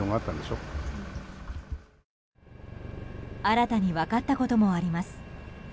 新たに分かったこともあります。